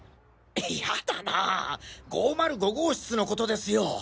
やだなぁ５０５号室の事ですよ。